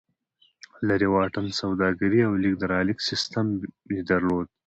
لرې واټن سوداګري او لېږد رالېږد سیستم یې درلود.